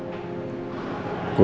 saya gak tiga puluh tiga tahun really